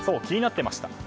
気になっていました。